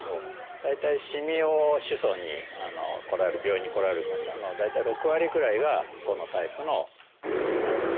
大体しみを主訴に病院に来られる方の大体６割ぐらいがこのタイプのしみなんですね。